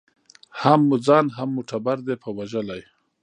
هم مو ځان هم مو ټبر دی په وژلی